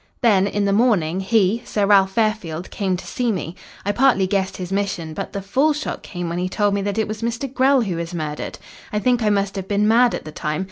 "Then in the morning, he, Sir Ralph Fairfield, came to see me. I partly guessed his mission, but the full shock came when he told me that it was Mr. Grell who was murdered. I think I must have been mad at the time.